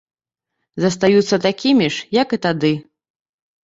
Застаюцца такімі ж, як і тады.